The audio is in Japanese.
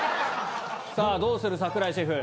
さぁどうする櫻井シェフ。